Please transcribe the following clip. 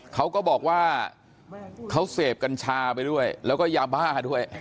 เขาก็บอกว่าเขาเสพกัญชาไปด้วยแล้วก็ยาบ้าด้วย